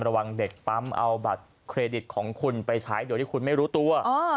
ระวังเด็กปั๊มเอาบัตรเครดิตของคุณไปใช้โดยที่คุณไม่รู้ตัว